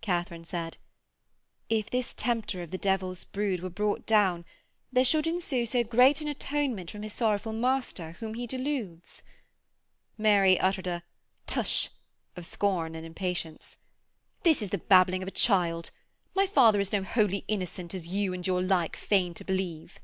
Katharine said: 'If this tempter of the Devil's brood were brought down there should ensue so great an atonement from his sorrowful master whom he deludes....' Mary uttered a 'Tush!' of scorn and impatience. 'This is the babbling of a child. My father is no holy innocent as you and your like feign to believe.'